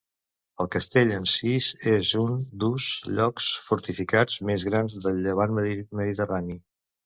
El castell en Sis és un d'ús llocs fortificats més grans del Llevant mediterrani.